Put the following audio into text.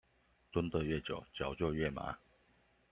蹲的越久，腳就越麻